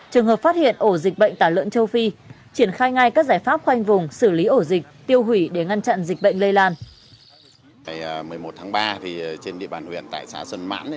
trường hợp phát hiện ổ dịch bệnh tả lợn châu phi triển khai ngay các giải pháp khoanh vùng xử lý ổ dịch tiêu hủy để ngăn chặn dịch bệnh lây lan